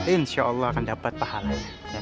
insya allah akan dapat pahala